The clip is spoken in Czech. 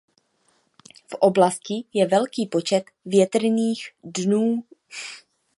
V oblasti je velký počet větrných dnů.